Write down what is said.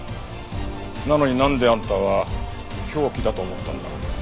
なのになんであんたは凶器だと思ったんだ？